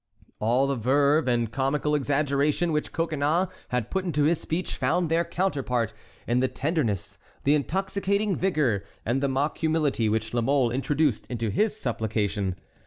All the verve and comical exaggeration which Coconnas had put into his speech found their counterpart in the tenderness, the intoxicating vigor, and the mock humility which La Mole introduced into his supplication.